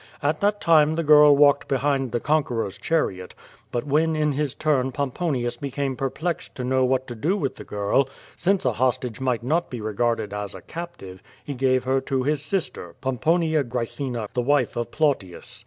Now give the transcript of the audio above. At that time the girl walked behind the con queror's chariot, but when in his turn Pomponius became perplexed to know what to do with the girl, since a hostage might not be regarded as a captive, he gave her to his sister, Pomponia Graecina, the wife of Plautius.